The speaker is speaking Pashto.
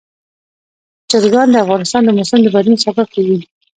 چرګان د افغانستان د موسم د بدلون سبب کېږي.